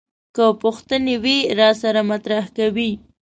که پوښتنې وي راسره مطرح کوي.